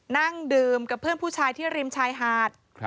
นั่งดื่มกับเพื่อนผู้ชายที่ริมชายหาด